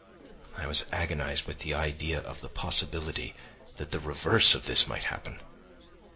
I was agonised with the idea of the possibility that the reverse of this might happen.